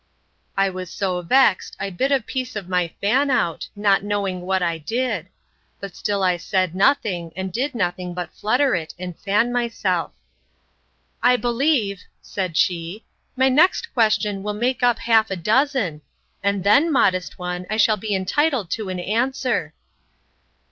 I was so vexed, I bit a piece of my fan out, not knowing what I did; but still I said nothing, and did nothing but flutter it, and fan myself. I believe, said she, my next question will make up half a dozen; and then, modest one, I shall be entitled to an answer.